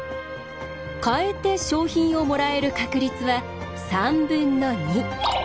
変えて賞品をもらえる確率は３分の２。